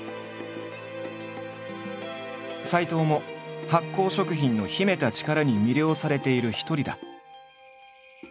斎藤も発酵食品の秘めた力に魅了されている一人だ。